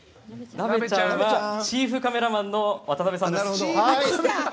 なべちゃんはチーフカメラマンの渡邉さんです。